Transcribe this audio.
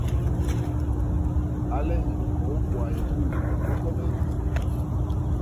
Alenge koukwaya buyulu ko komena.